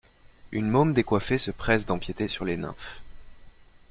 Une môme décoiffée se presse d'empiéter sur les nymphes.